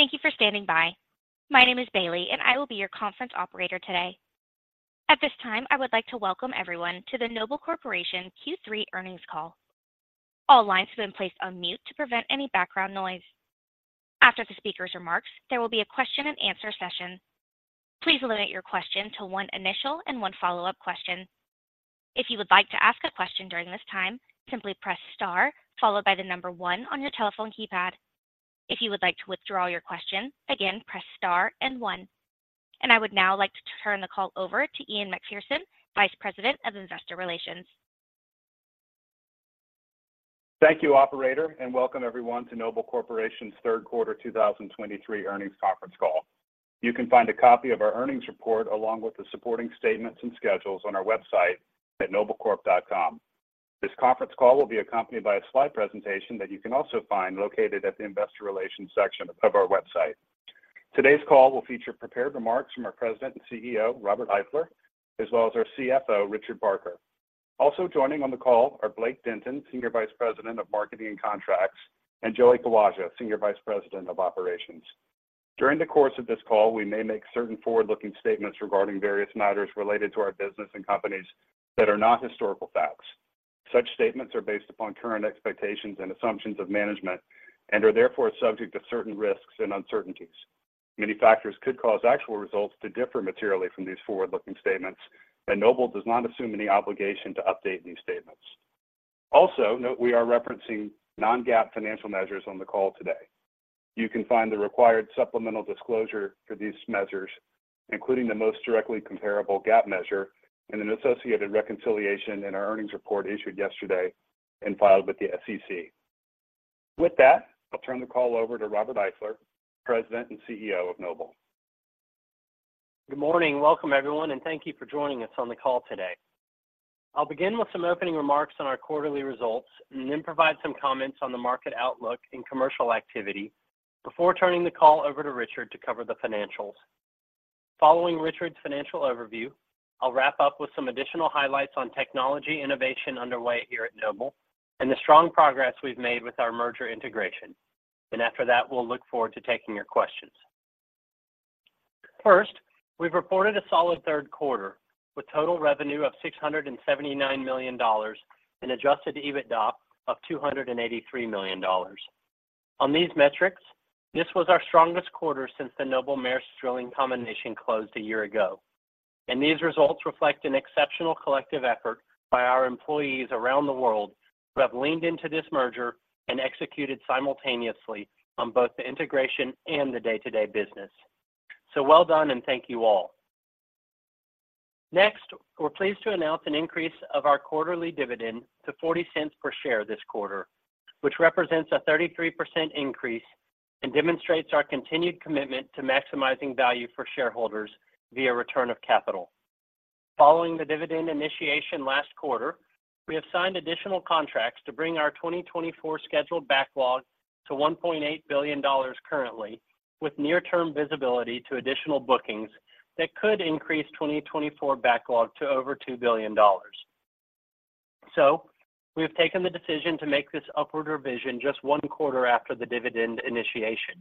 Thank you for standing by. My name is Bailey, and I will be your conference operator today. At this time, I would like to welcome everyone to the Noble Corporation Q3 earnings call. All lines have been placed on mute to prevent any background noise. After the speaker's remarks, there will be a question and answer session. Please limit your question to one initial and one follow-up question. If you would like to ask a question during this time, simply press star followed by the number one on your telephone keypad. If you would like to withdraw your question, again, press star and one. I would now like to turn the call over to Ian Macpherson, Vice President of Investor Relations. Thank you, operator, and welcome everyone to Noble Corporation's third quarter 2023 earnings conference call. You can find a copy of our earnings report, along with the supporting statements and schedules on our website at noblecorp.com. This conference call will be accompanied by a slide presentation that you can also find located at the Investor Relations section of our website. Today's call will feature prepared remarks from our President and CEO, Robert Eifler, as well as our CFO, Richard Barker. Also joining on the call are Blake Denton, Senior Vice President of Marketing and Contracts, and Joey Kawaja, Senior Vice President of Operations. During the course of this call, we may make certain forward-looking statements regarding various matters related to our business and companies that are not historical facts. Such statements are based upon current expectations and assumptions of management and are therefore subject to certain risks and uncertainties. Many factors could cause actual results to differ materially from these forward-looking statements, and Noble does not assume any obligation to update these statements. Also, note we are referencing non-GAAP financial measures on the call today. You can find the required supplemental disclosure for these measures, including the most directly comparable GAAP measure and an associated reconciliation in our earnings report issued yesterday and filed with the SEC. With that, I'll turn the call over to Robert Eifler, President and CEO of Noble. Good morning. Welcome, everyone, and thank you for joining us on the call today. I'll begin with some opening remarks on our quarterly results and then provide some comments on the market outlook and commercial activity before turning the call over to Richard to cover the financials. Following Richard's financial overview, I'll wrap up with some additional highlights on technology innovation underway here at Noble and the strong progress we've made with our merger integration. And after that, we'll look forward to taking your questions. First, we've reported a solid third quarter, with total revenue of $679 million and Adjusted EBITDA of $283 million. On these metrics, this was our strongest quarter since the Noble-Maersk's drilling combination closed a year ago, and these results reflect an exceptional collective effort by our employees around the world who have leaned into this merger and executed simultaneously on both the integration and the day-to-day business. So well done, and thank you all. Next, we're pleased to announce an increase of our quarterly dividend to $0.40 per share this quarter, which represents a 33% increase and demonstrates our continued commitment to maximizing value for shareholders via return of capital. Following the dividend initiation last quarter, we have signed additional contracts to bring our 2024 scheduled backlog to $1.8 billion currently, with near-term visibility to additional bookings that could increase 2024 backlog to over $2 billion. So we have taken the decision to make this upward revision just one quarter after the dividend initiation.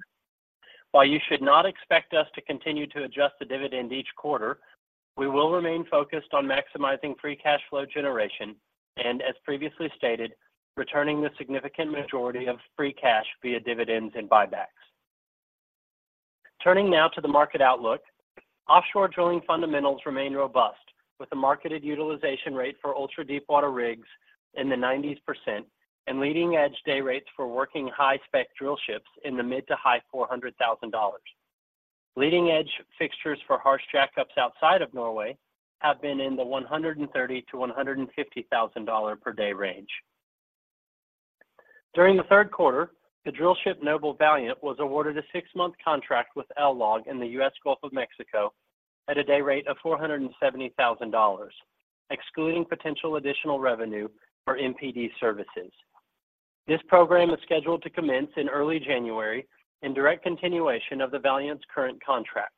While you should not expect us to continue to adjust the dividend each quarter, we will remain focused on maximizing free cash flow generation and as previously stated, returning the significant majority of free cash via dividends and buybacks. Turning now to the market outlook. Offshore drilling fundamentals remain robust, with the marketed utilization rate for ultra-deepwater rigs in the 90s% and leading-edge day rates for working high-spec drillships in the mid- to high-$400,000. Leading-edge fixtures for harsh jackups outside of Norway have been in the $130,000-$150,000 per day range. During the third quarter, the drill ship, Noble Valiant, was awarded a six-month contract with LLOG in the U.S. Gulf of Mexico at a day rate of $470,000, excluding potential additional revenue for MPD services. This program is scheduled to commence in early January in direct continuation of the Valiant's current contract.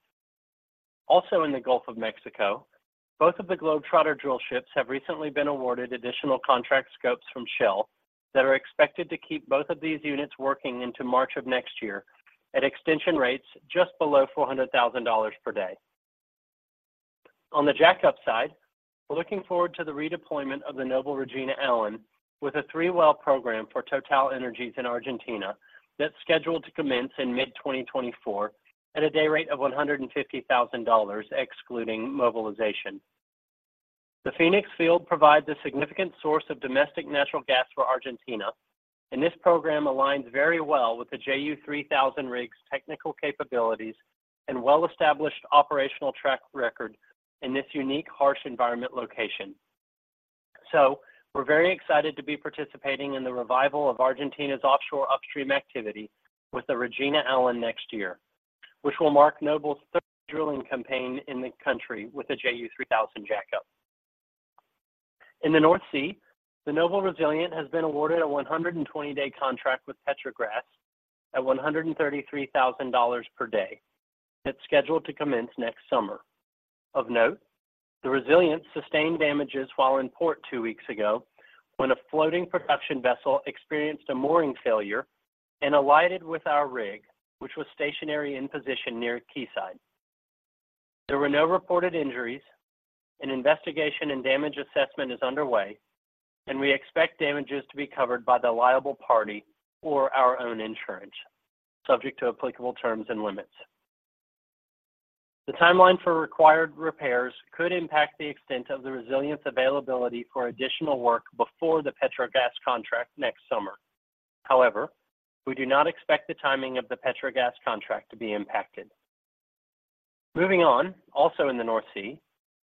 Also, in the Gulf of Mexico, both of the Globetrotter drillships have recently been awarded additional contract scopes from Shell that are expected to keep both of these units working into March of next year at extension rates just below $400,000 per day. On the jackup side, we're looking forward to the redeployment of the Noble Regina Allen with a three-well program for TotalEnergies in Argentina that's scheduled to commence in mid-2024 at a day rate of $150,000, excluding mobilization. The Fenix field provides a significant source of domestic natural gas for Argentina, and this program aligns very well with the JU-3000 rig's technical capabilities and well-established operational track record in this unique, harsh environment location. So we're very excited to be participating in the revival of Argentina's offshore upstream activity with the Regina Allen next year, which will mark Noble's third drilling campaign in the country with a JU-3000 jackup. In the North Sea, the Noble Resilient has been awarded a 120-day contract with Petrogas at $133,000 per day. It's scheduled to commence next summer. Of note, the Noble Resilient sustained damages while in port two weeks ago when a floating production vessel experienced a mooring failure and collided with our rig, which was stationary in position near Quayside. There were no reported injuries. An investigation and damage assessment is underway, and we expect damages to be covered by the liable party or our own insurance, subject to applicable terms and limits. The timeline for required repairs could impact the extent of the Resilient availability for additional work before the Petrogas contract next summer. However, we do not expect the timing of the Petrogas contract to be impacted. Moving on, also in the North Sea,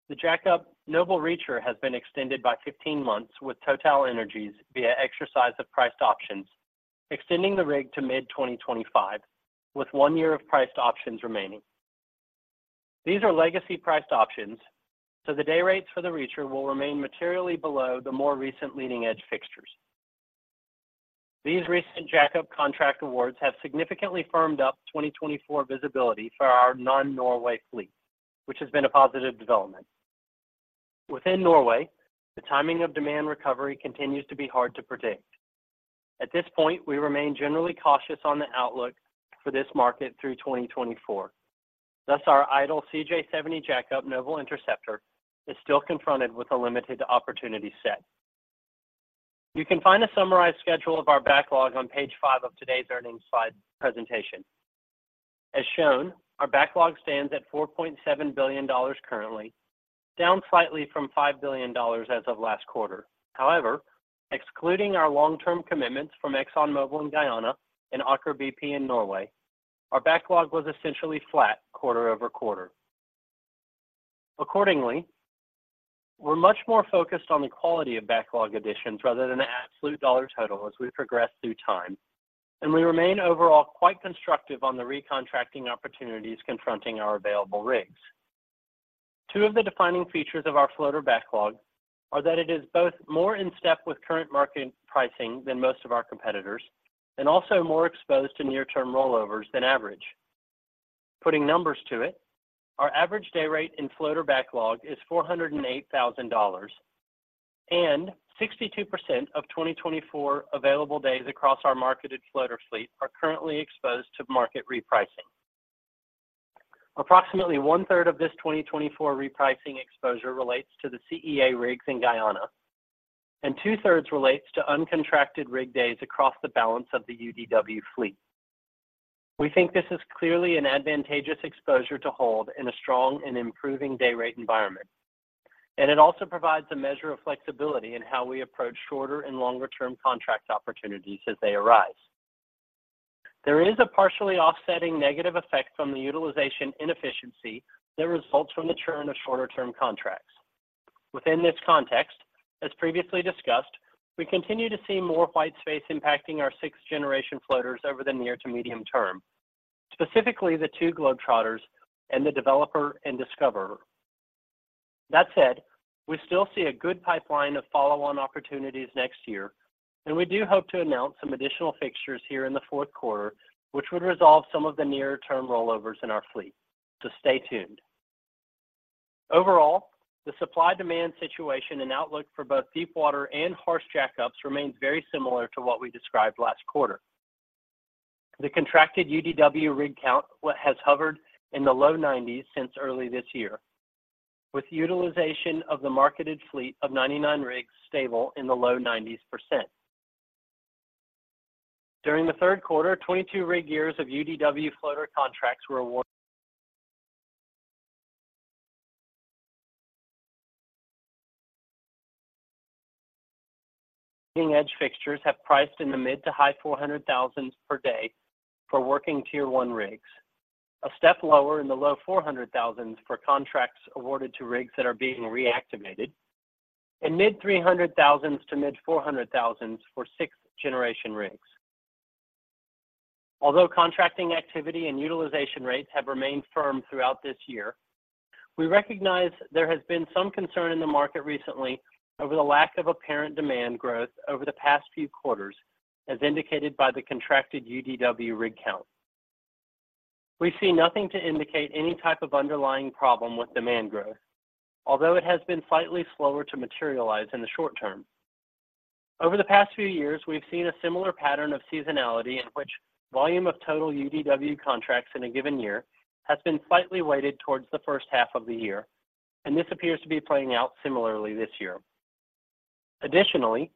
the jackup Noble Reacher has been extended by 15 months, with TotalEnergies via exercise of priced options, extending the rig to mid-2025, with one year of priced options remaining. These are legacy-priced options, so the day rates for the Reacher will remain materially below the more recent leading-edge fixtures. These recent jackup contract awards have significantly firmed up 2024 visibility for our non-Norway fleet, which has been a positive development. Within Norway, the timing of demand recovery continues to be hard to predict. At this point, we remain generally cautious on the outlook for this market through 2024. Thus, our idle CJ70 jackup, Noble Interceptor, is still confronted with a limited opportunity set. You can find a summarized schedule of our backlog on page five of today's earnings slide presentation. As shown, our backlog stands at $4.7 billion currently, down slightly from $5 billion as of last quarter. However, excluding our long-term commitments from ExxonMobil in Guyana and Aker BP in Norway, our backlog was essentially flat quarter over quarter. Accordingly, we're much more focused on the quality of backlog additions rather than the absolute dollar total as we progress through time, and we remain overall quite constructive on the recontracting opportunities confronting our available rigs. Two of the defining features of our floater backlog are that it is both more in step with current market pricing than most of our competitors and also more exposed to near-term rollovers than average. Putting numbers to it, our average day rate in floater backlog is $408,000, and 62% of 2024 available days across our marketed floater fleet are currently exposed to market repricing. Approximately one-third of this 2024 repricing exposure relates to the CEA rigs in Guyana, and two-thirds relates to uncontracted rig days across the balance of the UDW fleet. We think this is clearly an advantageous exposure to hold in a strong and improving day rate environment, and it also provides a measure of flexibility in how we approach shorter and longer-term contract opportunities as they arise. There is a partially offsetting negative effect from the utilization inefficiency that results from the churn of shorter-term contracts. Within this context, as previously discussed, we continue to see more white space impacting our sixth-generation floaters over the near to medium term, specifically the two Globetrotters and the Developer and Discoverer. That said, we still see a good pipeline of follow-on opportunities next year, and we do hope to announce some additional fixtures here in the fourth quarter, which would resolve some of the nearer-term rollovers in our fleet. So stay tuned. Overall, the supply-demand situation and outlook for both deepwater and harsh jackups remains very similar to what we described last quarter. The contracted UDW rig count has hovered in the low 90s since early this year, with utilization of the marketed fleet of 99 rigs stable in the low 90s%. During the third quarter, 22 rig years of UDW floater contracts were awarded. Leading-edge fixtures have priced in the mid- to high $400,000s per day for working Tier-1 rigs, a step lower in the low $400,000s for contracts awarded to rigs that are being reactivated, and mid-$300,000s to mid-$400,000s for sixth-generation rigs. Although contracting activity and utilization rates have remained firm throughout this year, we recognize there has been some concern in the market recently over the lack of apparent demand growth over the past few quarters, as indicated by the contracted UDW rig count. We see nothing to indicate any type of underlying problem with demand growth, although it has been slightly slower to materialize in the short term. Over the past few years, we've seen a similar pattern of seasonality in which volume of total UDW contracts in a given year has been slightly weighted towards the first half of the year, and this appears to be playing out similarly this year. Additionally,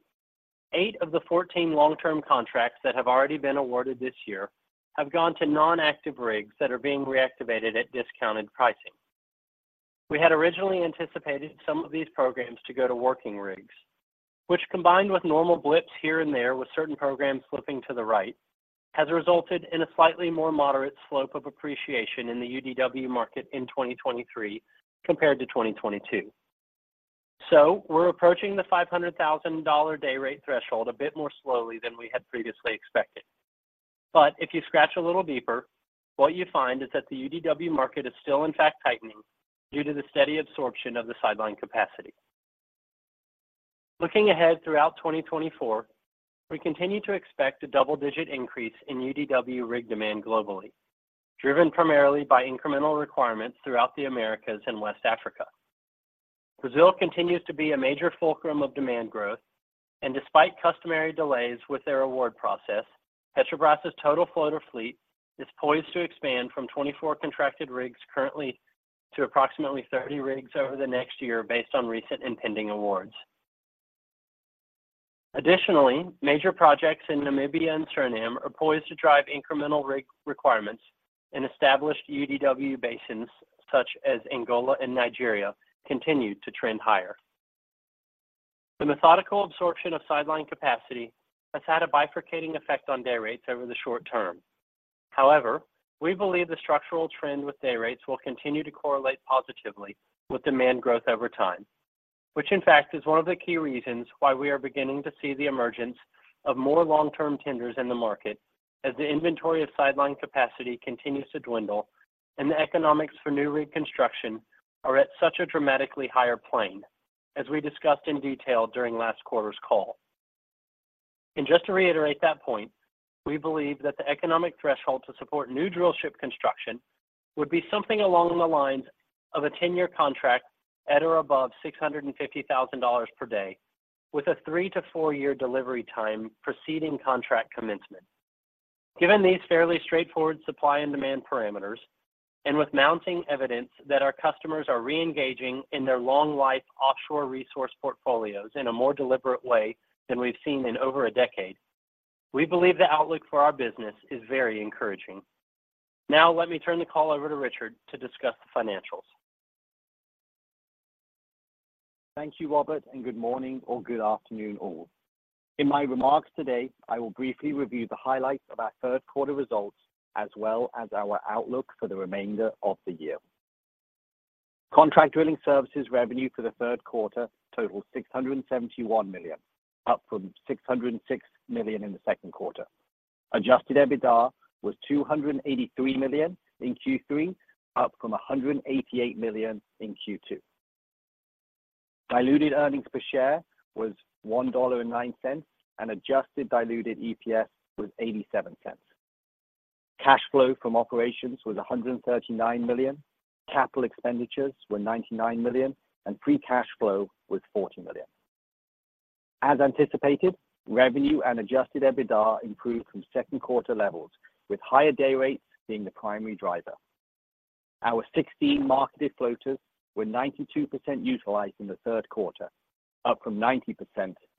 eight of the 14 long-term contracts that have already been awarded this year have gone to non-active rigs that are being reactivated at discounted pricing. We had originally anticipated some of these programs to go to working rigs, which, combined with normal blips here and there, with certain programs slipping to the right, has resulted in a slightly more moderate slope of appreciation in the UDW market in 2023 compared to 2022. So we're approaching the $500,000 day rate threshold a bit more slowly than we had previously expected. But if you scratch a little deeper, what you find is that the UDW market is still, in fact, tightening due to the steady absorption of the sidelined capacity. Looking ahead throughout 2024, we continue to expect a double-digit increase in UDW rig demand globally, driven primarily by incremental requirements throughout the Americas and West Africa. Brazil continues to be a major fulcrum of demand growth, and despite customary delays with their award process, Petrobras's total floater fleet is poised to expand from 24 contracted rigs currently to approximately 30 rigs over the next year, based on recent and pending awards. Additionally, major projects in Namibia and Suriname are poised to drive incremental rig requirements in established UDW basins, such as Angola and Nigeria, continue to trend higher. The methodical absorption of sidelined capacity has had a bifurcating effect on day rates over the short term. However, we believe the structural trend with day rates will continue to correlate positively with demand growth over time, which in fact, is one of the key reasons why we are beginning to see the emergence of more long-term tenders in the market as the inventory of sidelined capacity continues to dwindle and the economics for new rig construction are at such a dramatically higher plane, as we discussed in detail during last quarter's call. Just to reiterate that point, we believe that the economic threshold to support new drillship construction would be something along the lines of a 10-year contract at or above $650,000 per day, with a three- to four-year delivery time preceding contract commencement. Given these fairly straightforward supply and demand parameters, and with mounting evidence that our customers are reengaging in their long life offshore resource portfolios in a more deliberate way than we've seen in over a decade, we believe the outlook for our business is very encouraging. Now, let me turn the call over to Richard to discuss the financials. Thank you, Robert, and good morning or good afternoon, all. In my remarks today, I will briefly review the highlights of our third quarter results, as well as our outlook for the remainder of the year. Contract drilling services revenue for the third quarter totaled $671 million, up from $606 million in the second quarter. Adjusted EBITDA was $283 million in Q3, up from $188 million in Q2. Diluted earnings per share was $1.09, and adjusted diluted EPS was $0.87. Cash flow from operations was $139 million, capital expenditures were $99 million, and free cash flow was $40 million. As anticipated, revenue and Adjusted EBITDA improved from second quarter levels, with higher day rates being the primary driver. Our 16 marketed floaters were 92% utilized in the third quarter, up from 90%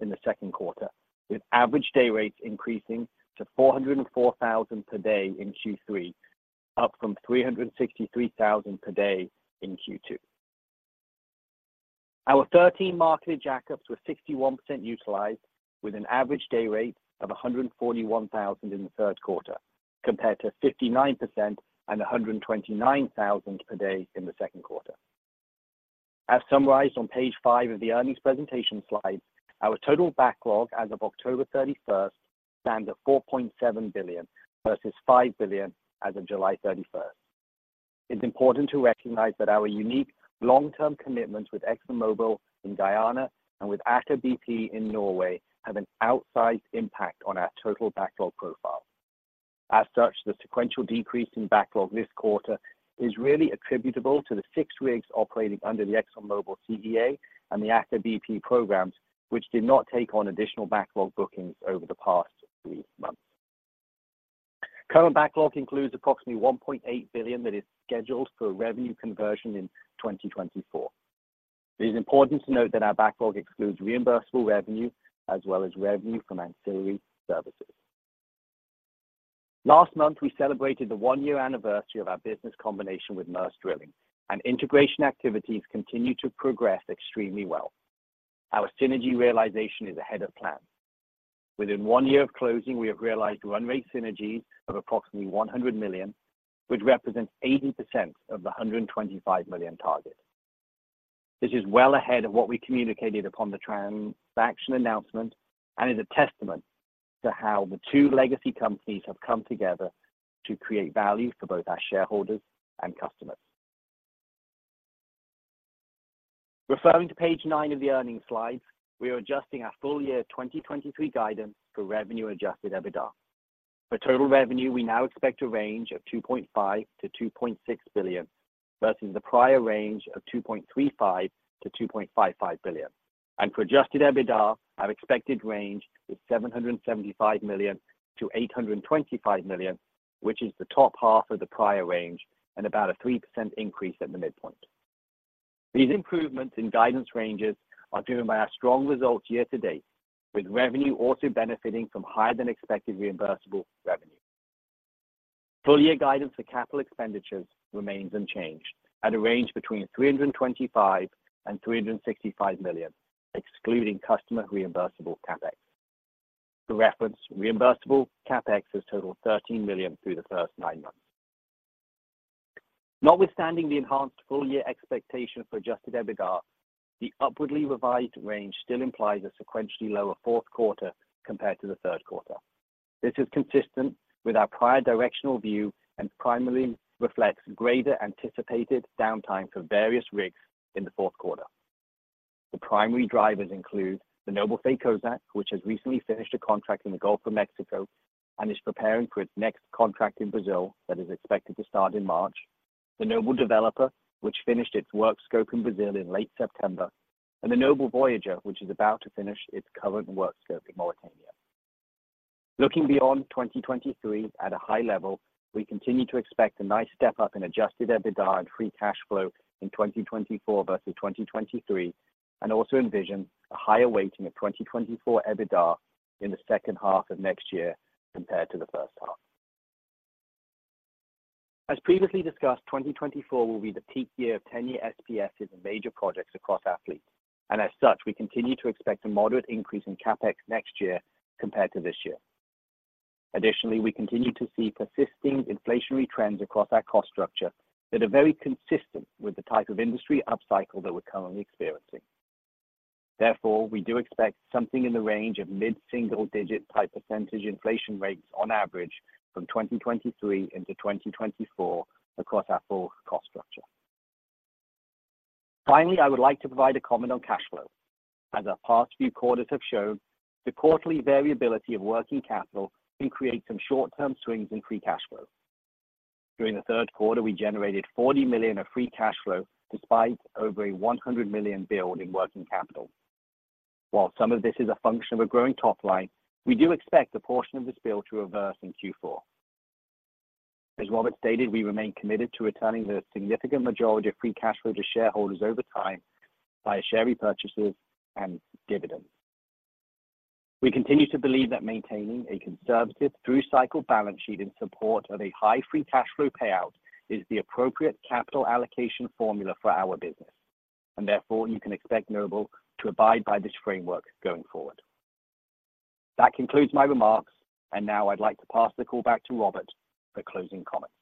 in the second quarter, with average day rates increasing to $404,000 per day in Q3, up from $363,000 per day in Q2. Our 13 marketed jackups were 61% utilized, with an average day rate of $141,000 in the third quarter, compared to 59% and $129,000 per day in the second quarter. As summarized on page five of the earnings presentation slide, our total backlog as of October 31st stands at $4.7 billion, versus $5 billion as of July 31st. It's important to recognize that our unique long-term commitments with ExxonMobil in Guyana and with Aker BP in Norway have an outsized impact on our total backlog profile. As such, the sequential decrease in backlog this quarter is really attributable to the six rigs operating under the ExxonMobil CEA and the Aker BP programs, which did not take on additional backlog bookings over the past three months. Current backlog includes approximately $1.8 billion that is scheduled for revenue conversion in 2024. It is important to note that our backlog excludes reimbursable revenue as well as revenue from ancillary services. Last month, we celebrated the one-year anniversary of our business combination with Maersk Drilling, and integration activities continue to progress extremely well. Our synergy realization is ahead of plan. Within one year of closing, we have realized run rate synergies of approximately $100 million, which represents 80% of the $125 million target. This is well ahead of what we communicated upon the transaction announcement and is a testament to how the two legacy companies have come together to create value for both our shareholders and customers. Referring to page nine of the earnings slides, we are adjusting our full-year 2023 guidance for revenue, Adjusted EBITDA. For total revenue, we now expect a range of $2.5 billion-$2.6 billion, versus the prior range of $2.35 billion-$2.55 billion, and for Adjusted EBITDA, our expected range is $775 million-$825 million, which is the top half of the prior range and about a 3% increase at the midpoint. These improvements in guidance ranges are driven by our strong results year to date, with revenue also benefiting from higher than expected reimbursable revenue. Full year guidance for capital expenditures remains unchanged at a range between $325 million-$365 million, excluding customer reimbursable CapEx. For reference, reimbursable CapEx has totaled $13 million through the first nine months. Notwithstanding the enhanced full-year expectation for Adjusted EBITDA, the upwardly revised range still implies a sequentially lower fourth quarter compared to the third quarter. This is consistent with our prior directional view and primarily reflects greater anticipated downtime for various rigs in the fourth quarter. The primary drivers include the Noble Faye Kozack, which has recently finished a contract in the Gulf of Mexico and is preparing for its next contract in Brazil that is expected to start in March. The Noble Developer, which finished its work scope in Brazil in late September, and the Noble Voyager, which is about to finish its current work scope in Mauritania. Looking beyond 2023, at a high level, we continue to expect a nice step up in Adjusted EBITDA and free cash flow in 2024 versus 2023, and also envision a higher weighting of 2024 EBITDA in the second half of next year compared to the first half. As previously discussed, 2024 will be the peak year of 10-year SPSs and major projects across the fleet, and as such, we continue to expect a moderate increase in CapEx next year compared to this year. Additionally, we continue to see persisting inflationary trends across our cost structure that are very consistent with the type of industry upcycle that we're currently experiencing. Therefore, we do expect something in the range of mid-single digit type percentage inflation rates on average from 2023 into 2024 across our full cost structure. Finally, I would like to provide a comment on cash flow. As our past few quarters have shown, the quarterly variability of working capital can create some short-term swings in free cash flow. During the third quarter, we generated $40 million of free cash flow, despite over a $100 million build in working capital. While some of this is a function of a growing top line, we do expect a portion of this build to reverse in Q4. As Robert stated, we remain committed to returning the significant majority of free cash flow to shareholders over time via share repurchases and dividends. We continue to believe that maintaining a conservative through-cycle balance sheet in support of a high free cash flow payout is the appropriate capital allocation formula for our business, and therefore, you can expect Noble to abide by this framework going forward. That concludes my remarks, and now I'd like to pass the call back to Robert for closing comments.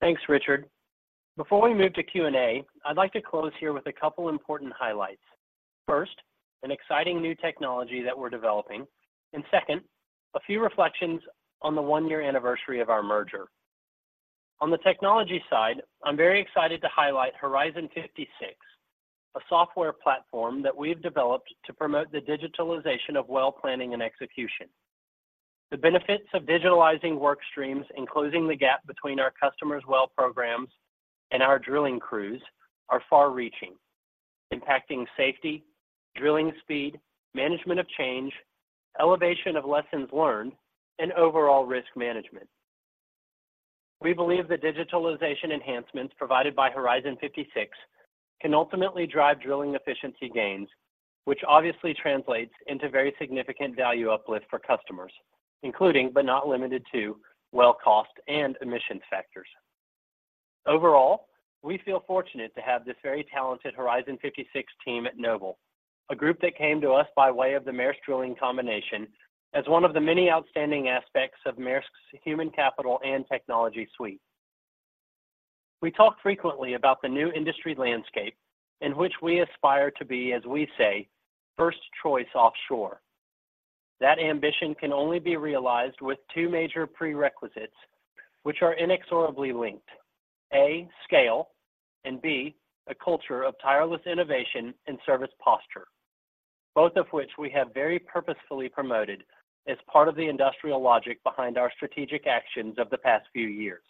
Thanks, Richard. Before we move to Q&A, I'd like to close here with a couple important highlights. First, an exciting new technology that we're developing, and second, a few reflections on the one-year anniversary of our merger. On the technology side, I'm very excited to highlight Horizon56, a software platform that we've developed to promote the digitalization of well planning and execution. The benefits of digitalizing work streams and closing the gap between our customers' well programs and our drilling crews are far-reaching, impacting safety, drilling speed, management of change, elevation of lessons learned, and overall risk management. We believe the digitalization enhancements provided by Horizon56 can ultimately drive drilling efficiency gains, which obviously translates into very significant value uplift for customers, including but not limited to, well cost and emission factors. Overall, we feel fortunate to have this very talented Horizon56 team at Noble, a group that came to us by way of the Maersk Drilling combination as one of the many outstanding aspects of Maersk's human capital and technology suite. We talk frequently about the new industry landscape in which we aspire to be, as we say, first choice offshore. That ambition can only be realized with two major prerequisites, which are inexorably linked: A, scale, and B, a culture of tireless innovation and service posture, both of which we have very purposefully promoted as part of the industrial logic behind our strategic actions of the past few years.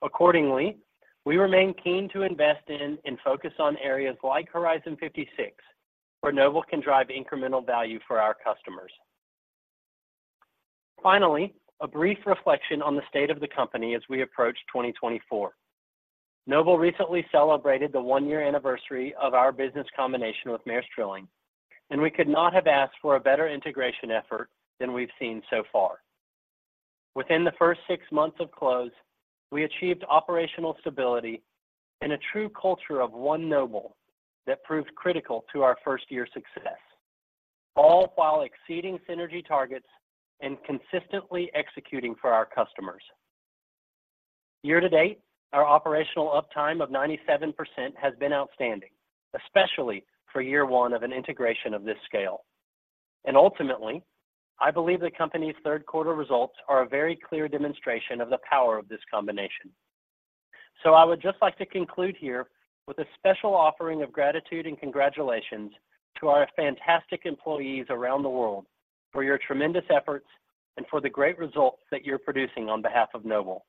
Accordingly, we remain keen to invest in and focus on areas like Horizon56, where Noble can drive incremental value for our customers. Finally, a brief reflection on the state of the company as we approach 2024. Noble recently celebrated the one-year anniversary of our business combination with Maersk Drilling, and we could not have asked for a better integration effort than we've seen so far. Within the first six months of close, we achieved operational stability and a true culture of One Noble that proved critical to our first-year success, all while exceeding synergy targets and consistently executing for our customers. Year to date, our operational uptime of 97% has been outstanding, especially for year one of an integration of this scale. And ultimately, I believe the company's third quarter results are a very clear demonstration of the power of this combination. So I would just like to conclude here with a special offering of gratitude and congratulations to our fantastic employees around the world for your tremendous efforts and for the great results that you're producing on behalf of Noble.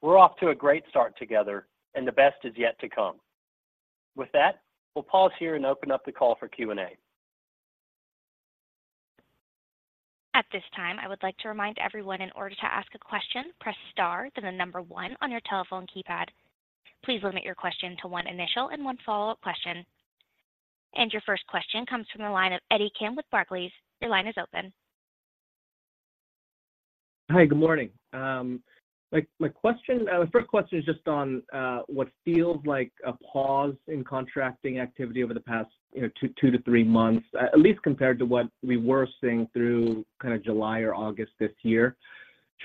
We're off to a great start together, and the best is yet to come. With that, we'll pause here and open up the call for Q&A. At this time, I would like to remind everyone, in order to ask a question, press star, then the number one on your telephone keypad. Please limit your question to one initial and one follow-up question. Your first question comes from the line of Eddie Kim with Barclays. Your line is open. Hi, good morning. My first question is just on what feels like a pause in contracting activity over the past, you know, two to three months, at least compared to what we were seeing through kind of July or August this year....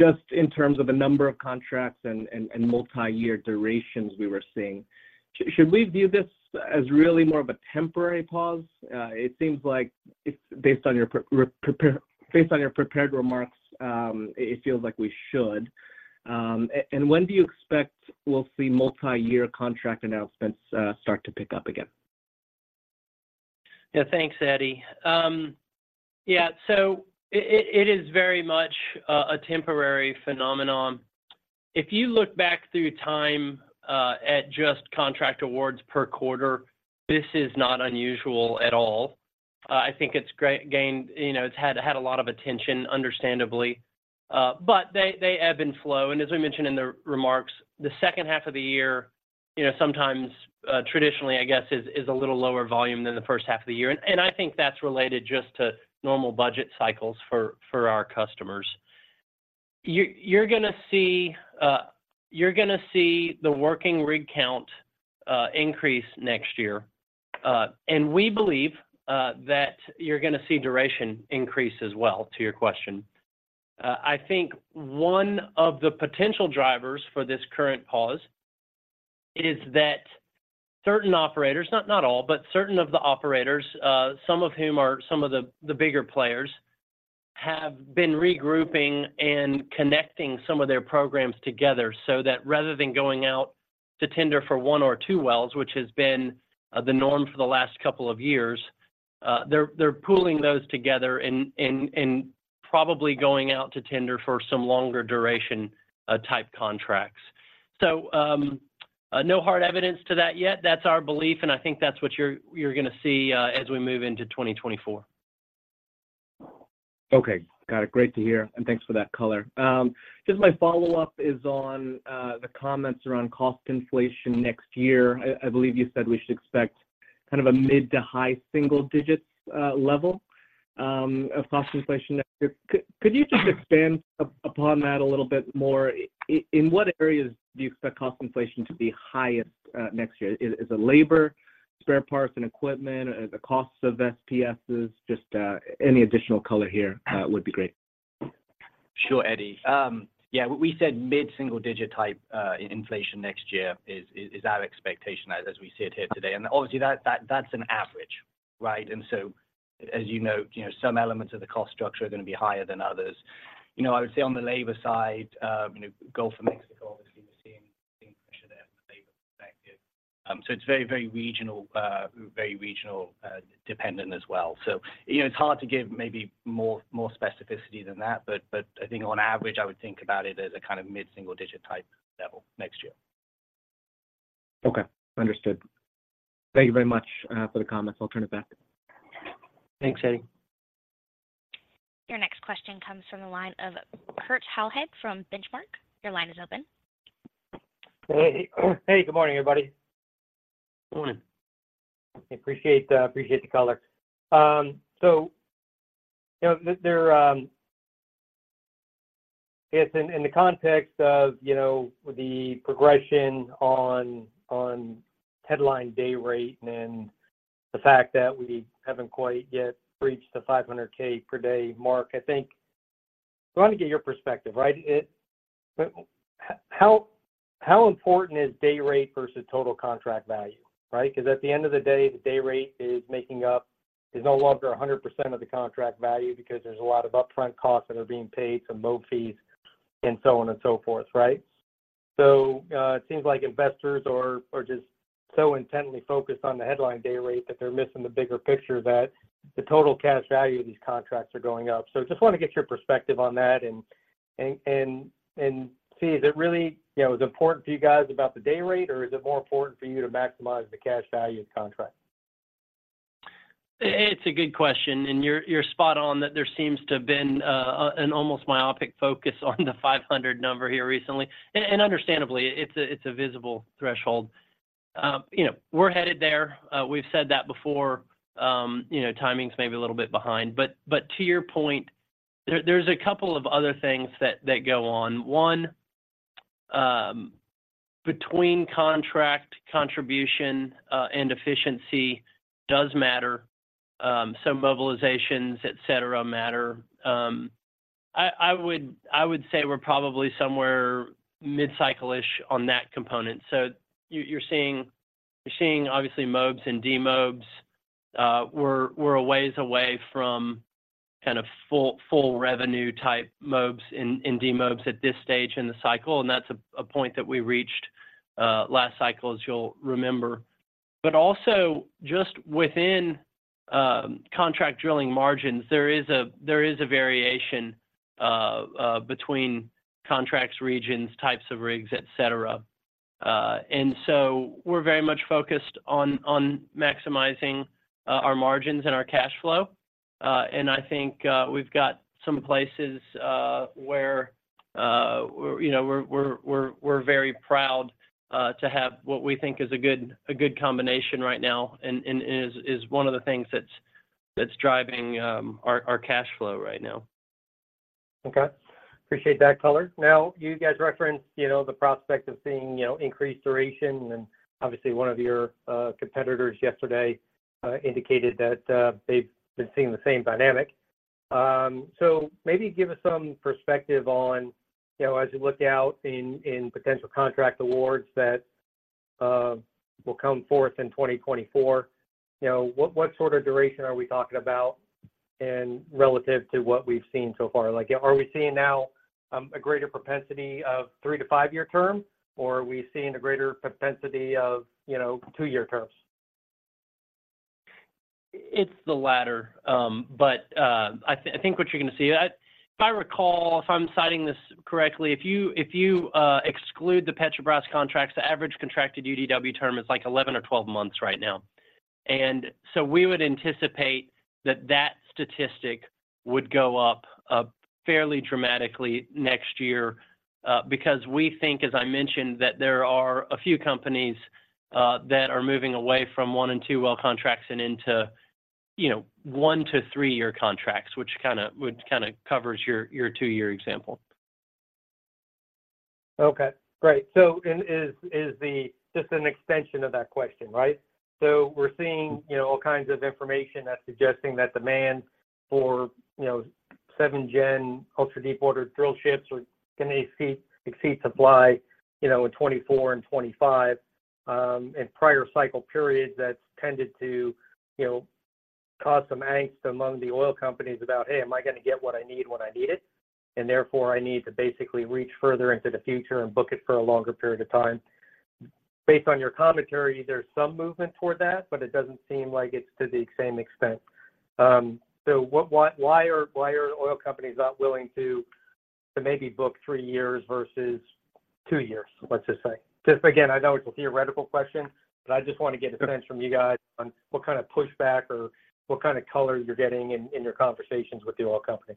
just in terms of the number of contracts and multi-year durations we were seeing. Should we view this as really more of a temporary pause? It seems like if based on your prepared remarks, it feels like we should. And when do you expect we'll see multi-year contract announcements start to pick up again? Yeah, thanks, Eddie. Yeah, so it is very much a temporary phenomenon. If you look back through time at just contract awards per quarter, this is not unusual at all. I think it's great-gained, you know, it's had a lot of attention, understandably. But they ebb and flow, and as we mentioned in the remarks, the second half of the year, you know, sometimes traditionally, I guess, is a little lower volume than the first half of the year. And I think that's related just to normal budget cycles for our customers. You're gonna see the working rig count increase next year. And we believe that you're gonna see duration increase as well, to your question. I think one of the potential drivers for this current pause is that certain operators, not all, but certain of the operators, some of whom are some of the bigger players, have been regrouping and connecting some of their programs together so that rather than going out to tender for one or two wells, which has been the norm for the last couple of years, they're pooling those together and probably going out to tender for some longer duration type contracts. So, no hard evidence to that yet. That's our belief, and I think that's what you're gonna see as we move into 2024. Okay, got it. Great to hear, and thanks for that color. Just my follow-up is on the comments around cost inflation next year. I believe you said we should expect kind of a mid- to high-single-digits level of cost inflation next year. Could you just expand upon that a little bit more? In what areas do you expect cost inflation to be highest next year? Is it labor, spare parts and equipment, the costs of SPSs? Any additional color here would be great. Sure, Eddie. Yeah, we said mid-single digit type inflation next year is our expectation as we sit here today. And obviously, that's an average, right? And so, as you know, you know, some elements of the cost structure are gonna be higher than others. You know, I would say on the labor side, you know, Gulf of Mexico, obviously, we're seeing inflation there from a labor perspective. So it's very, very regional, very regional dependent as well. So, you know, it's hard to give maybe more specificity than that, but I think on average, I would think about it as a kind of mid-single digit type level next year. Okay, understood. Thank you very much for the comments. I'll turn it back. Thanks, Eddie. Your next question comes from the line of Kurt Hallead from Benchmark. Your line is open. Hey. Hey, good morning, everybody. Morning. Appreciate the color. So, you know, there, I guess in the context of, you know, the progression on headline day rate and the fact that we haven't quite yet reached the $500,000 per day mark, I think I want to get your perspective, right? How important is day rate versus total contract value, right? 'Cause at the end of the day, the day rate is making up, is no longer 100% of the contract value because there's a lot of upfront costs that are being paid, some mob fees, and so on and so forth, right? So, it seems like investors are just so intently focused on the headline day rate, that they're missing the bigger picture, that the total cash value of these contracts are going up. So just want to get your perspective on that and see, is it really, you know, important to you guys about the day rate, or is it more important for you to maximize the cash value of the contract? It's a good question, and you're spot on that there seems to have been an almost myopic focus on the $500,000 number here recently. And understandably, it's a visible threshold. You know, we're headed there. We've said that before. You know, timing's maybe a little bit behind, but to your point, there's a couple of other things that go on. One, between contract contribution and efficiency does matter. Some mobilizations, et cetera, matter. I would say we're probably somewhere mid-cycle-ish on that component. So you're seeing obviously mobes and demobes. We're a ways away from kind of full revenue type mobes and demobes at this stage in the cycle, and that's a point that we reached last cycle, as you'll remember. But also, just within contract drilling margins, there is a variation between contracts, regions, types of rigs, et cetera. And so we're very much focused on maximizing our margins and our cash flow. And I think we've got some places where, you know, we're very proud to have what we think is a good combination right now and is one of the things that's driving our cash flow right now. Okay. Appreciate that color. Now, you guys referenced, you know, the prospect of seeing, you know, increased duration, and obviously, one of your competitors yesterday indicated that they've been seeing the same dynamic. So maybe give us some perspective on, you know, as you look out in potential contract awards that will come forth in 2024, you know, what sort of duration are we talking about? And relative to what we've seen so far? Like, are we seeing now a greater propensity of three- to five-year term, or are we seeing a greater propensity of, you know, two-year terms? It's the latter. But, I think what you're going to see, if I recall, if I'm citing this correctly, if you exclude the Petrobras contracts, the average contracted UDW term is like 11 or 12 months right now. And so we would anticipate that that statistic would go up, fairly dramatically next year, because we think, as I mentioned, that there are a few companies, that are moving away from one and two well contracts and into, you know, one to three-year contracts, which covers your two-year example. Okay, great. So, is this just an extension of that question, right? So we're seeing, you know, all kinds of information that's suggesting that demand for, you know, 7th-gen ultra-deepwater drillships is going to exceed supply, you know, in 2024 and 2025. In prior cycle periods, that's tended to, you know, cause some angst among the oil companies about, "Hey, am I going to get what I need when I need it? And therefore I need to basically reach further into the future and book it for a longer period of time." Based on your commentary, there's some movement toward that, but it doesn't seem like it's to the same extent. So what, why are oil companies not willing to maybe book three years versus two years, let's just say? Just again, I know it's a theoretical question, but I just want to get a sense from you guys on what kind of pushback or what kind of color you're getting in your conversations with the oil company.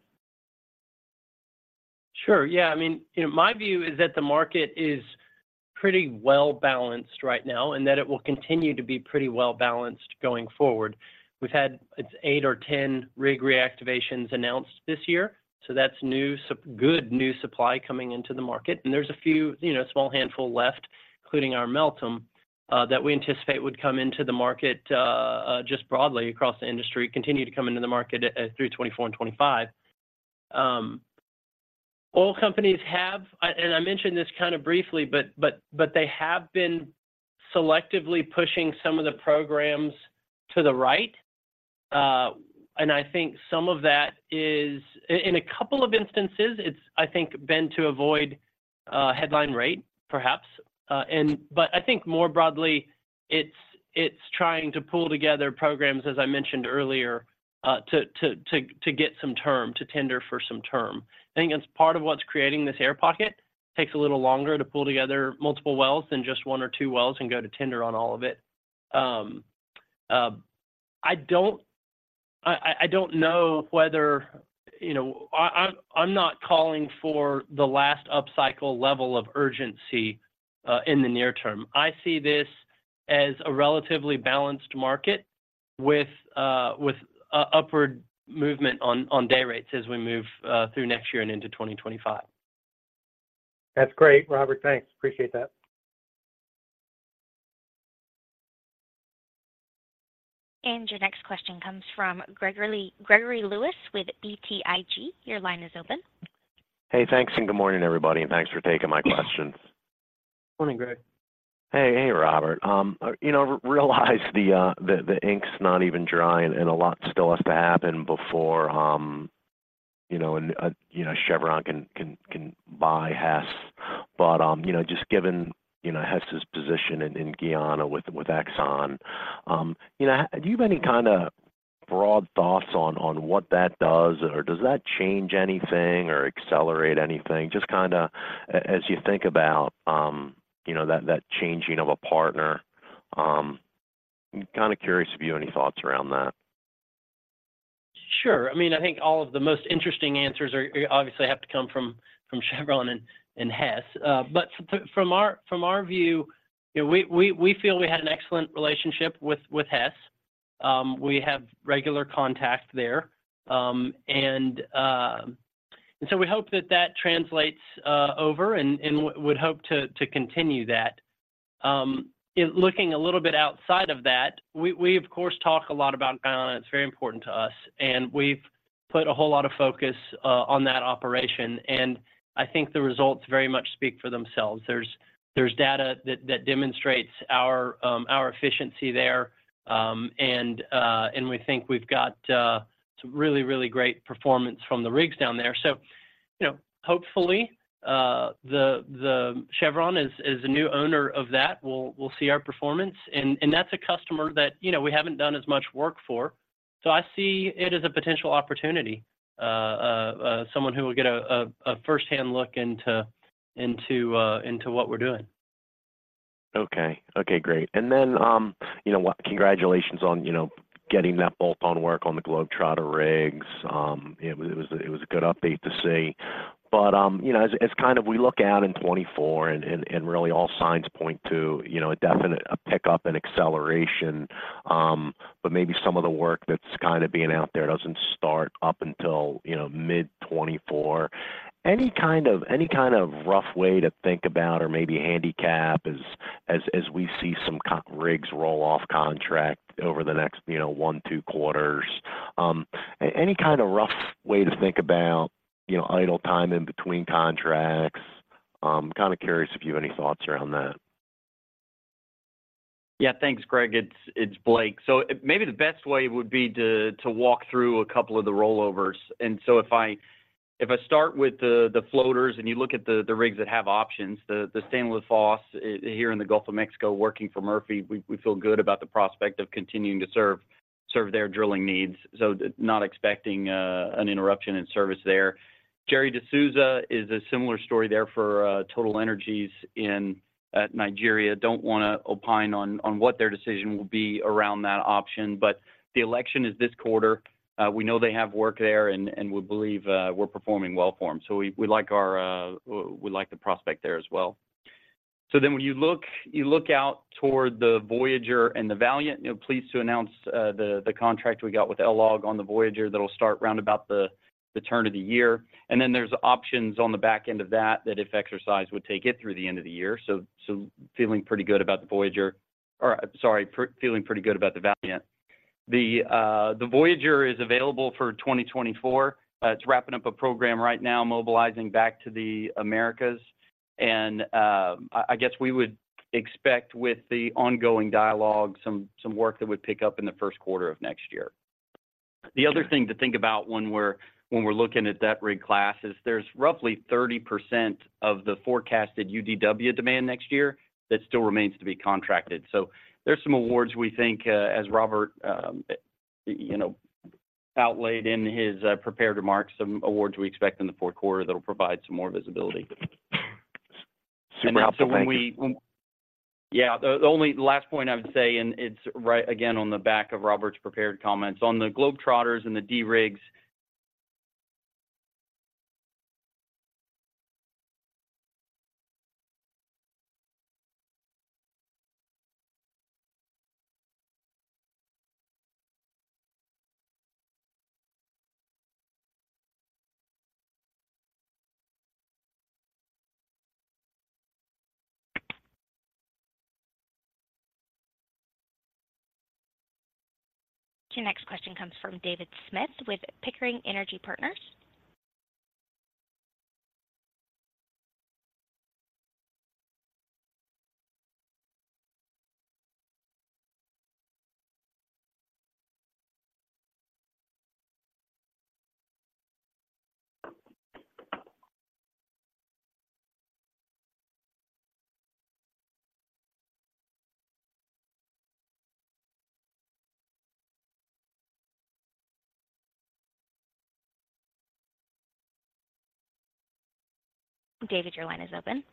Sure. Yeah, I mean, you know, my view is that the market is pretty well balanced right now, and that it will continue to be pretty well balanced going forward. We've had eight or 10 rig reactivations announced this year, so that's new, so good new supply coming into the market. And there's a few, you know, small handful left, including our Meltem, that we anticipate would come into the market, just broadly across the industry, continue to come into the market through 2024 and 2025. Oil companies have, and I mentioned this kind of briefly, but they have been selectively pushing some of the programs to the right. And I think some of that is... In a couple of instances, it's, I think, been to avoid headline rate, perhaps. I think more broadly, it's trying to pull together programs, as I mentioned earlier, to get some term, to tender for some term. I think it's part of what's creating this air pocket. Takes a little longer to pull together multiple wells than just one or two wells and go to tender on all of it. I don't know whether, you know, I'm not calling for the last upcycle level of urgency in the near term. I see this as a relatively balanced market with upward movement on day rates as we move through next year and into 2025. That's great, Robert. Thanks. Appreciate that. Your next question comes from Gregory, Gregory Lewis with BTIG. Your line is open. Hey, thanks, and good morning, everybody, and thanks for taking my questions. Morning, Greg. Hey, hey, Robert. You know, realize the ink's not even dry and a lot still has to happen before, you know, and, you know, Chevron can buy Hess. But, you know, just given, you know, Hess's position in Guyana with Exxon, you know, do you have any kind of broad thoughts on what that does? Or does that change anything or accelerate anything? Just kind of as you think about, you know, that changing of a partner, I'm kind of curious if you have any thoughts around that. Sure. I mean, I think all of the most interesting answers are obviously have to come from Chevron and Hess. But from our view, you know, we feel we had an excellent relationship with Hess. We have regular contact there. And so we hope that that translates over and would hope to continue that. In looking a little bit outside of that, we of course talk a lot about Guyana. It's very important to us, and we've put a whole lot of focus on that operation, and I think the results very much speak for themselves. There's data that demonstrates our efficiency there, and we think we've got some really, really great performance from the rigs down there. So, you know, hopefully, the Chevron as a new owner of that, will see our performance. And that's a customer that, you know, we haven't done as much work for. So I see it as a potential opportunity, someone who will get a first-hand look into what we're doing. Okay, okay, great. And then, you know what? Congratulations on, you know, getting that bolt-on work on the Globetrotter rigs. It was, it was a good update to see. But, you know, as kind of we look out in 2024 and really all signs point to, you know, a definite, a pickup and acceleration, but maybe some of the work that's kind of being out there doesn't start up until, you know, mid-2024. Any kind of rough way to think about or maybe handicap as we see some kind of rigs roll off contract over the next, you know, one to two quarters? Any kind of rough way to think about, you know, idle time in between contracts? Kind of curious if you have any thoughts around that.... Yeah, thanks, Greg. It's Blake. So maybe the best way would be to walk through a couple of the rollovers. So if I start with the floaters, and you look at the rigs that have options, the Stena Forth here in the Gulf of Mexico working for Murphy, we feel good about the prospect of continuing to serve their drilling needs. So not expecting an interruption in service there. Gerry de Souza is a similar story there for TotalEnergies in Nigeria. Don't wanna opine on what their decision will be around that option, but the election is this quarter. We know they have work there, and we believe we're performing well for them. So we like our, we like the prospect there as well. So then when you look, you look out toward the Voyager and the Valiant, you know, pleased to announce the contract we got with LLOG on the Voyager that'll start round about the turn of the year. And then there's options on the back end of that, that if exercised, would take it through the end of the year. So feeling pretty good about the Voyager. Or I'm sorry, feeling pretty good about the Valiant. The Voyager is available for 2024. It's wrapping up a program right now, mobilizing back to the Americas. And I guess we would expect with the ongoing dialogue, some work that would pick up in the first quarter of next year. The other thing to think about when we're looking at that rig class is there's roughly 30% of the forecasted UDW demand next year that still remains to be contracted. So there's some awards we think, as Robert, you know, outlined in his prepared remarks, some awards we expect in the fourth quarter that'll provide some more visibility. Super helpful. Thank you. Yeah, the only last point I would say, and it's right again, on the back of Robert's prepared comments. On the Globetrotters and the D rigs- Your next question comes from David Smith with Pickering Energy Partners. David, your line is open.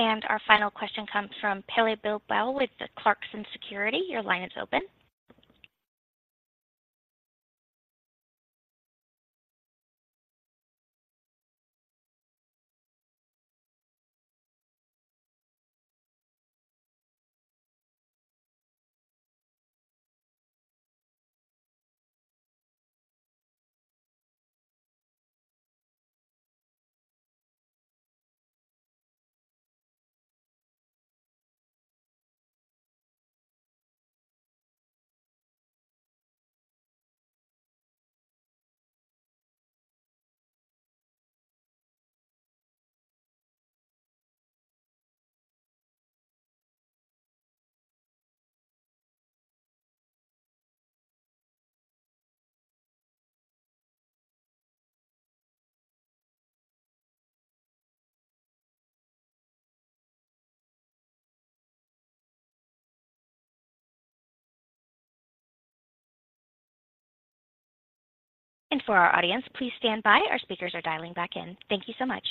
Our final question comes from Pelle Bibow with Clarksons Securities. Your line is open. For our audience, please stand by. Our speakers are dialing back in. Thank you so much.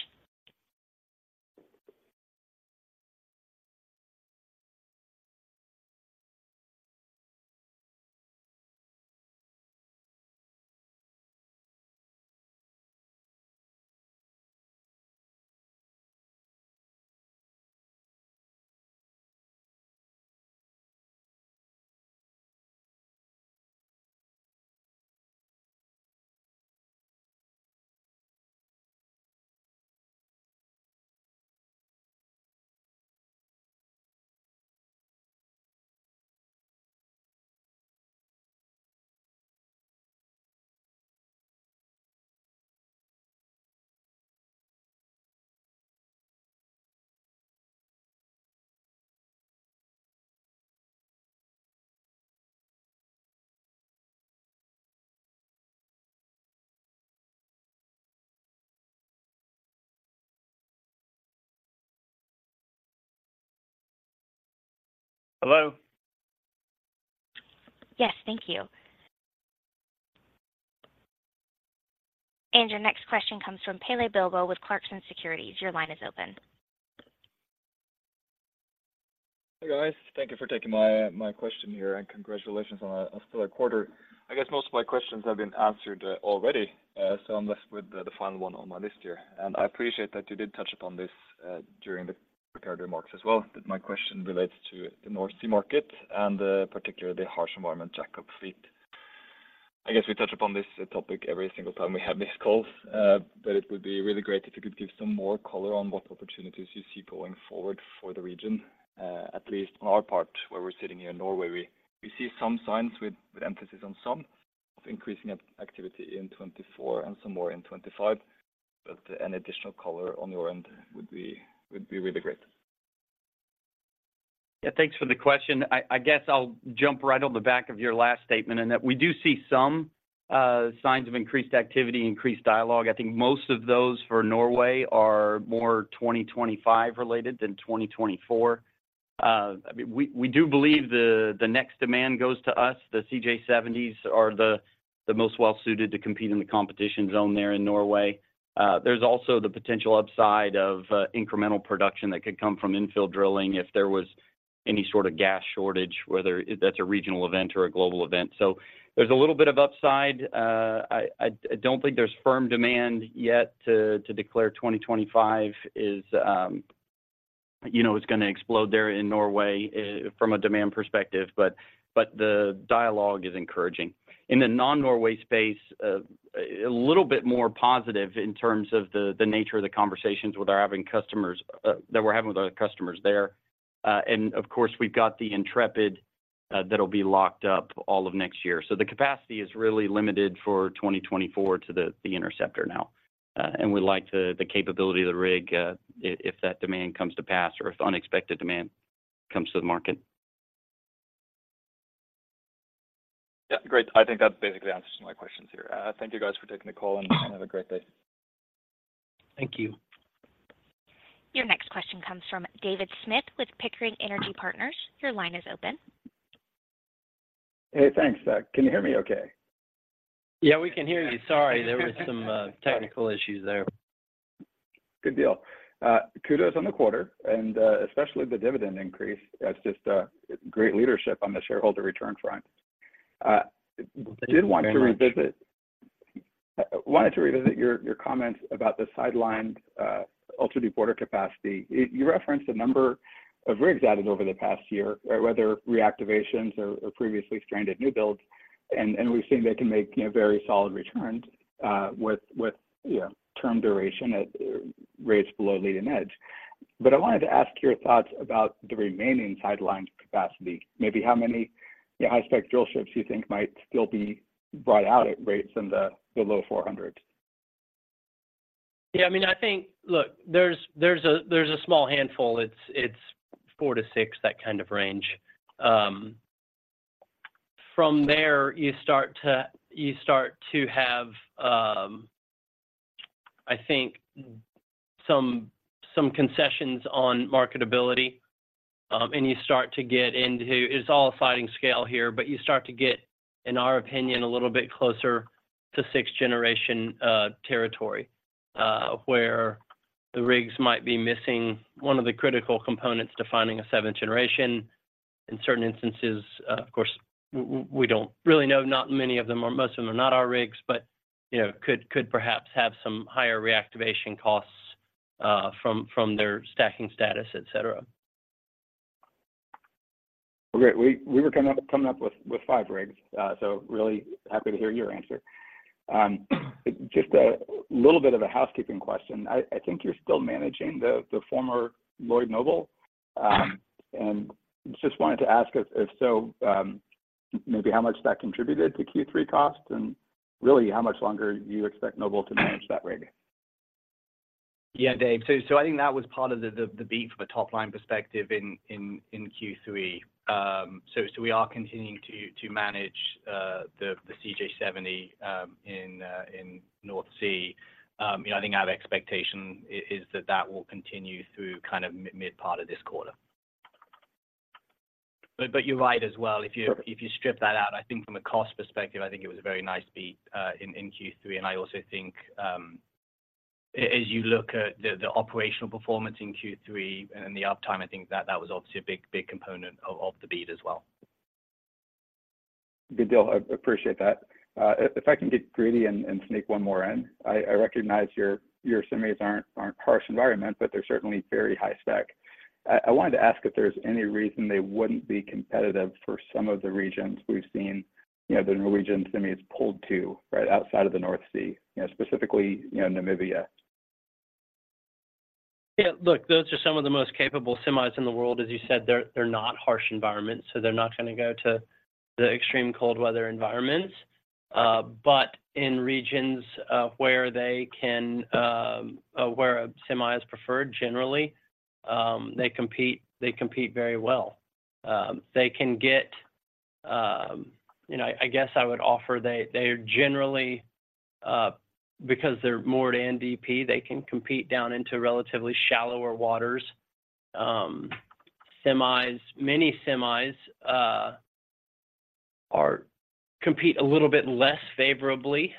Hello? Yes, thank you. Your next question comes from Pelle Bibow with Clarksons Securities. Your line is open.... Hey, guys. Thank you for taking my, my question here, and congratulations on a stellar quarter. I guess most of my questions have been answered already, so I'm left with the final one on my list here, and I appreciate that you did touch upon this during the prepared remarks as well. But my question relates to the North Sea market and particularly the harsh environment jackup fleet. I guess we touch upon this topic every single time we have these calls, but it would be really great if you could give some more color on what opportunities you see going forward for the region. At least on our part, where we're sitting here in Norway, we see some signs, with emphasis on some, of increasing activity in 2024 and some more in 2025, but an additional color on your end would be really great. Yeah, thanks for the question. I guess I'll jump right on the back of your last statement, in that we do see some signs of increased activity, increased dialogue. I think most of those for Norway are more 2025 related than 2024. I mean, we do believe the next demand goes to us. The CJ70s are the most well suited to compete in the competition zone there in Norway. There's also the potential upside of incremental production that could come from infill drilling if there was any sort of gas shortage, whether that's a regional event or a global event. So there's a little bit of upside. I don't think there's firm demand yet to declare 2025 is, you know, it's gonna explode there in Norway from a demand perspective, but the dialogue is encouraging. In the non-Norway space, a little bit more positive in terms of the nature of the conversations with our having customers that we're having with our customers there. And of course, we've got the Intrepid that'll be locked up all of next year. So the capacity is really limited for 2024 to the Interceptor now. And we like the capability of the rig if that demand comes to pass or if unexpected demand comes to the market. Yeah, great. I think that basically answers my questions here. Thank you, guys, for taking the call, and have a great day. Thank you. Your next question comes from David Smith with Pickering Energy Partners. Your line is open. Hey, thanks. Can you hear me okay? Yeah, we can hear you. Sorry, there were some technical issues there. Good deal. Kudos on the quarter and, especially the dividend increase. That's just, great leadership on the shareholder return front. Thank you very much. Wanted to revisit your comments about the sidelined ultra-deepwater capacity. You referenced a number of rigs added over the past year, whether reactivations or previously stranded new builds, and we've seen they can make, you know, very solid returns with, you know, term duration at rates below leading-edge. But I wanted to ask your thoughts about the remaining sidelined capacity. Maybe how many, you know, high-spec drillships you think might still be brought out at rates in the low $400,000s? Yeah, I mean, I think, look, there's a small handful. It's four to six, that kind of range. From there, you start to have, I think some concessions on marketability, and you start to get into... It's all a fighting scale here, but you start to get, in our opinion, a little bit closer to 6th-Generation territory, where the rigs might be missing one of the critical components to finding a 7th-Generation. In certain instances, of course, we don't really know. Not many of them or most of them are not our rigs, but, you know, could perhaps have some higher reactivation costs, from their stacking status, et cetera. Great. We were coming up with five rigs, so really happy to hear your answer. Just a little bit of a housekeeping question. I think you're still managing the former Noble Lloyd Noble. And just wanted to ask if so, maybe how much that contributed to Q3 costs and really how much longer you expect Noble to manage that rig? Yeah, Dave. So, I think that was part of the beat from a top-line perspective in Q3. So, we are continuing to manage the CJ70 in the North Sea. You know, I think our expectation is that that will continue through kind of mid part of this quarter. But, you're right as well. If you- Sure.... if you strip that out, I think from a cost perspective, I think it was a very nice beat in Q3. I also think, as you look at the operational performance in Q3 and the uptime, I think that was obviously a big, big component of the beat as well. Good deal. I appreciate that. If I can get greedy and sneak one more in, I recognize your semis aren't harsh environment, but they're certainly very high spec. I wanted to ask if there's any reason they wouldn't be competitive for some of the regions we've seen, you know, the Norwegian semis pulled to, right? Outside of the North Sea, you know, specifically, you know, Namibia. Yeah, look, those are some of the most capable semis in the world. As you said, they're not harsh environments, so they're not gonna go to the extreme cold weather environments. But in regions where a semi is preferred, generally, they compete very well. They can get... You know, I guess I would offer, they are generally, because they're more to NDP, they can compete down into relatively shallower waters. Semis, many semis, compete a little bit less favorably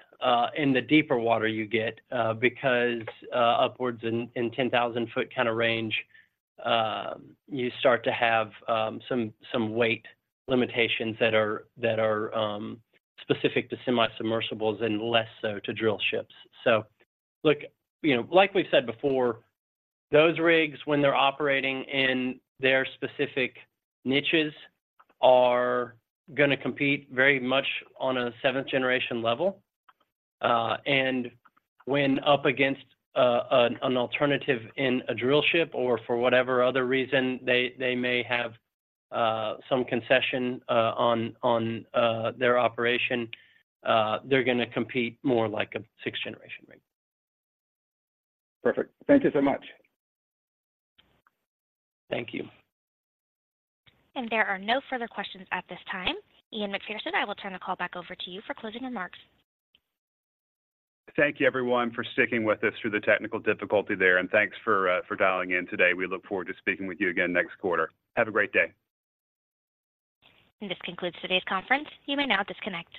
in the deeper water you get, because upwards in the 10,000-ft kinda range, you start to have some weight limitations that are specific to semi-submersibles and less so to drillships. So look, you know, like we've said before, those rigs, when they're operating in their specific niches, are gonna compete very much on a seventh-generation level. And when up against an alternative in a drillship or for whatever other reason, they may have some concession on their operation, they're gonna compete more like a 6th-generation rig. Perfect. Thank you so much. Thank you. There are no further questions at this time. Ian Macpherson, I will turn the call back over to you for closing remarks. Thank you, everyone, for sticking with us through the technical difficulty there, and thanks for dialing in today. We look forward to speaking with you again next quarter. Have a great day. This concludes today's conference. You may now disconnect.